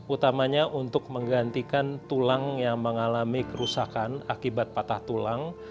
utamanya untuk menggantikan tulang yang mengalami kerusakan akibat patah tulang